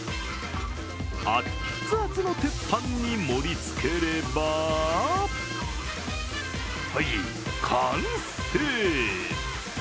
熱々の鉄板に盛りつければはい、完成。